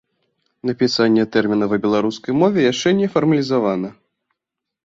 Напісанне тэрміна ва беларускай мове яшчэ не фармалізавана.